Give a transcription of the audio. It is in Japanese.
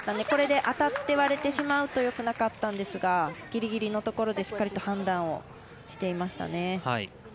これで当たって割れてしまうとよくなかったんですがぎりぎりのところでしっかりと判断をしていましたね。